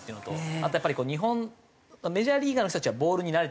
あとやっぱり日本メジャーリーガーの人たちはボールに慣れてるんで。